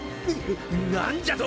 何じゃと？